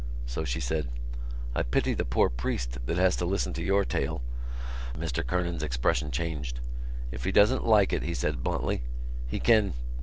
So she said: "I pity the poor priest that has to listen to your tale." Mr Kernan's expression changed. "If he doesn't like it," he said bluntly, "he can